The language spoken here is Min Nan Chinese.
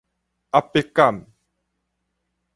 壓迫感